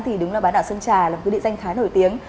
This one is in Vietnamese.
thì đúng là bán đảo sơn trà là một cái địa danh khá nổi tiếng